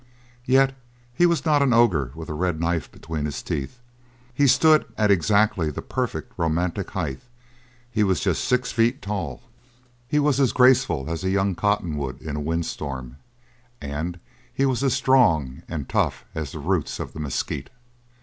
Yet he was not an ogre with a red knife between his teeth. He stood at exactly the perfect romantic height; he was just six feet tall; he was as graceful as a young cotton wood in a windstorm and he was as strong and tough as the roots of the mesquite.